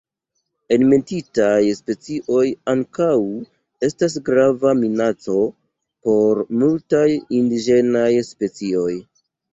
Enmetitaj specioj ankaŭ estas grava minaco por multaj indiĝenaj specioj.